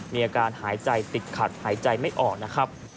มีอาการหายใจติดขัดหายใจไม่ออกนะครับ